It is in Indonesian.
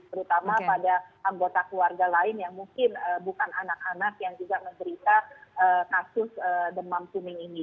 terutama pada anggota keluarga lain yang mungkin bukan anak anak yang juga menderita kasus demam kuning ini